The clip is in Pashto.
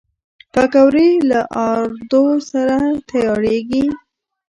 پکورې له آردو سره تیارېږي